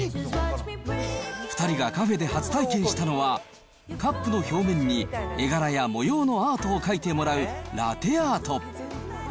２人がカフェで初体験したのは、カップの表面に絵柄や模様のアートを描いてもらうラテアート。